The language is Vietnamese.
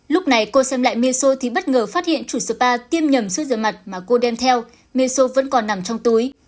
lúc này cô xem lại miaso thì bất ngờ phát hiện chủ spa tiêm nhầm xương rửa mặt mà cô đem theo meso vẫn còn nằm trong túi